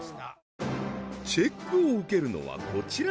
チェックを受けるのはこちらの皆様